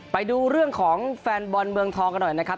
ไปดูเรื่องของแฟนบอลเมืองทองกันหน่อยนะครับ